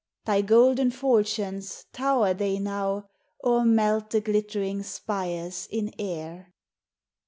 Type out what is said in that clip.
Thy golden fortunes, tower they now, Or melt the glittering spires in air